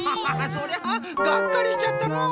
そりゃがっかりしちゃったのう。